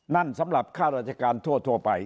นั่นสำหรับข้าราชการทั่วไป